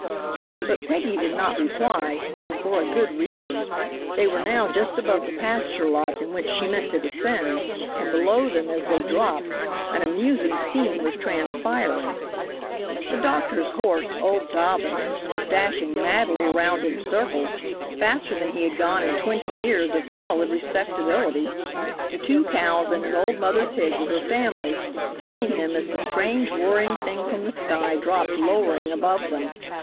But Peggy did not reply, and for a good reason. They were now just above the pasture lot in which she meant to descend, and below them, as they dropped, an amusing scene was transpiring. The Doctor's horse, old Dobbin, was dashing madly around in circles, faster than he had gone in twenty years of solid respectability; the two cows, and an old mother pig with her family, joined him as the strange whirring thing from the sky dropped lowering above them.